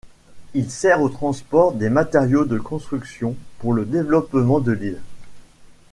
Il sert au transport des matériaux de construction pour le développement de l'île.